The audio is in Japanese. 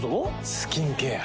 スキンケア。